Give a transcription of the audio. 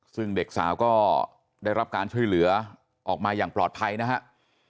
ซึ่งเด็กสาวก็ได้รับการช่วยเหลือออกมาอย่างปลอดภัยนะครับ